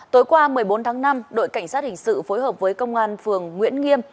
tối qua một mươi bốn tháng năm đội cảnh sát hình sự phối hợp với công an phường nguyễn nghiêm